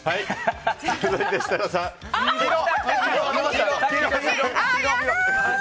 続いて設楽さん、黄色。